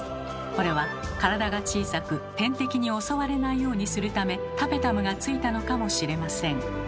これは体が小さく天敵に襲われないようにするためタペタムがついたのかもしれません。